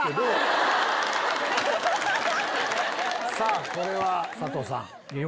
さぁこれは佐藤さん。